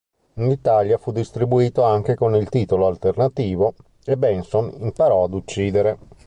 In Italia fu distribuito anche con il titolo alternativo "...e Benson imparò ad uccidere".